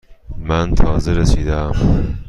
من تازه رسیده ام.